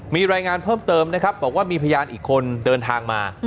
มีรายงานเพิ่มเติมนะครับบอกว่ามีพยานอีกคนเดินทางมา